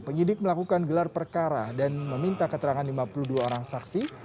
penyidik melakukan gelar perkara dan meminta keterangan lima puluh dua orang saksi